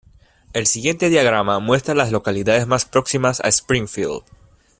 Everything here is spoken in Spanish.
El siguiente diagrama muestra a las localidades más próximas a Springfield.